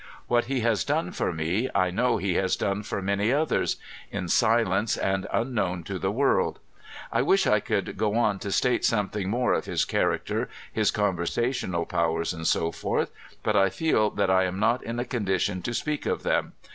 What he has done for me, I know he has done for many others ; in silence and unknown to the world. I wish I could go on to state something more of his character, his conversational powers, &c, but I feel that I am not in a condition to speak of them.